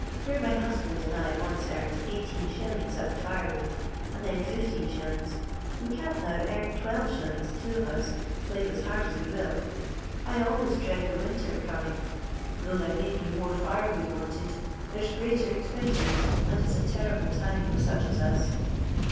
Where my husband and I onco earned 18a at the fire wood, and then Ifit., we can't now cam 12<. the two of us, slave as hard as we will .1 always dread the winter a coming. Though thers may be more fire wood wanted, there 's greater ex penses, and it 's a terrible time for such as us."